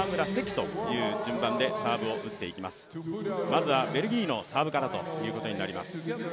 まずはベルギーのサーブからになります。